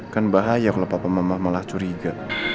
kan bahaya kalau papa mama malah curiga